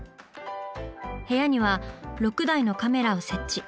部屋には６台のカメラを設置。